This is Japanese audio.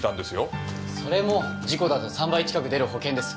それも事故だと３倍近く出る保険です。